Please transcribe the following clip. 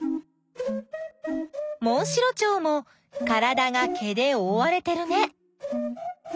モンシロチョウもからだが毛でおおわれてるね。